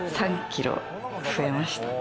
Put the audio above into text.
３キロ増えました。